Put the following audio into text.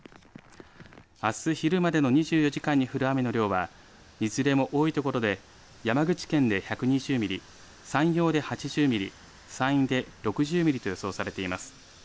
あす昼までの２４時間に降る雨の量はいずれも多いところで山口県で１２０ミリ、山陽で８０ミリ、山陰で６０ミリと予想されています。